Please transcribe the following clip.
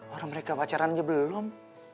orang mereka pacaran aja belum